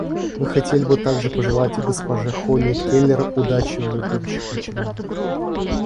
Мы хотели бы также пожелать госпоже Холли Келер удачи в ее будущих начинаниях.